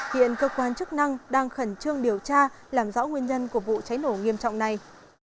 hiện cơ quan chức năng đang khẩn trương điều tra làm rõ nguyên nhân của vụ cháy nổ nghiêm trọng này